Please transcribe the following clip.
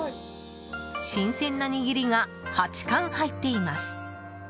新鮮な握りが８貫入っています。